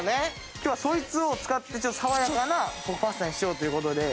今日はそいつを使って爽やかなパスタにしようという事で。